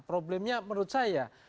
problemnya menurut saya